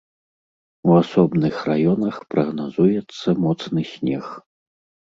У асобных раёнах прагназуецца моцны снег.